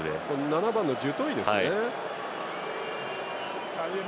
７番のデュトイですね。